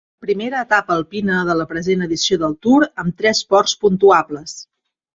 Primera etapa alpina de la present edició del Tour amb tres ports puntuables.